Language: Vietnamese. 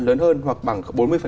lớn hơn hoặc bằng bốn mươi